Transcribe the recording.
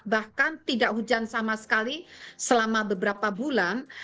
bahkan tidak hujan sama sekali selama beberapa bulan